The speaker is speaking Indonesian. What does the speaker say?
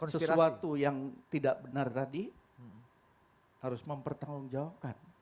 sesuatu yang tidak benar tadi harus mempertanggungjawabkan